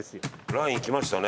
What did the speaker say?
ラインきましたね。